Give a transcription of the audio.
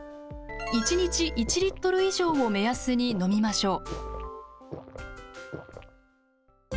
１日１リットル以上を目安に飲みましょう。